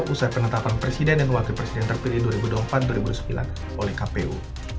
usai penetapan presiden dan wakil presiden terpilih dua ribu dua puluh empat dua ribu sembilan oleh kpu